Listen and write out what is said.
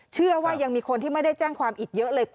เชื่อว่ายังมีคนที่ไม่ได้แจ้งความอีกเยอะเลย